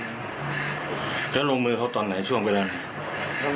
แล้วลงมือเขาตอนไหนช่วงเวลา